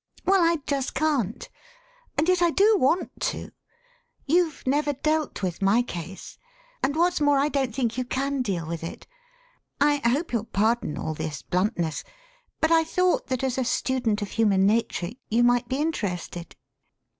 Well, I just can't. And yet I do want to. You've never dealt with my case — apd, what's more, I don't think you can deal with it. I hope you'll pardon all this bluntness. But I thought that, as a student of human nature, you might be interested."